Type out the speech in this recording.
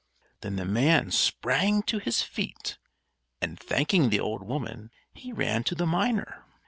Then the man sprang to his feet, and, thanking the old woman, he ran to the miner.